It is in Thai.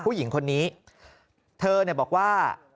ผู้หญิงคนนี้เธอบอกว่า